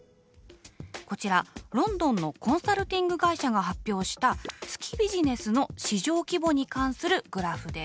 こちらロンドンのコンサルティング会社が発表した月ビジネスの市場規模に関するグラフです。